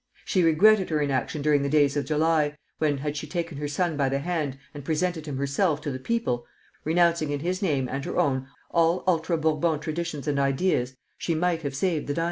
She regretted her inaction during the days of July, when, had she taken her son by the hand and presented him herself to the people, renouncing in his name and her own all ultra Bourbon traditions and ideas, she might have saved the dynasty.